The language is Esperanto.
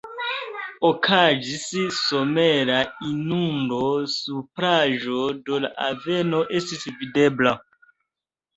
Okazis somera inundo, supraĵo de la aveno estis videbla.